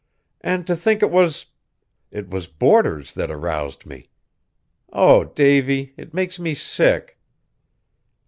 And to think it was it was boarders that aroused me! Oh! Davy, it makes me sick."